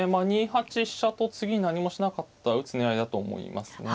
２八飛車と次何もしなかったら打つ狙いだと思いますね。